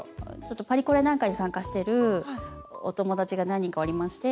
パリコレなんかに参加してるお友達が何人かおりまして。